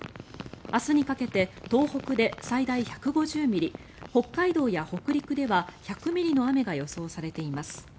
明日にかけて東北で最大１５０ミリ北海道や北陸では１００ミリの雨が予想されています。